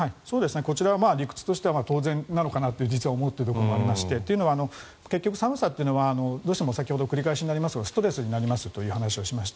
こちらは理屈としては当然かなと思っているところも実はありましてというのは結局寒さというのはどうしても先ほどから繰り返しになりますがストレスになりますという話をしました。